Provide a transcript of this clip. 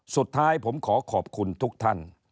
สุดท้ายผมขอขอบคุณทุกท่าน